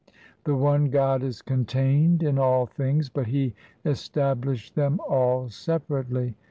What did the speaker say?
The one God is contained in all things, But He established them all separately.